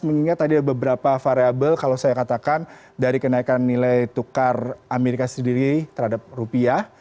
mengingat tadi ada beberapa variable kalau saya katakan dari kenaikan nilai tukar amerika sendiri terhadap rupiah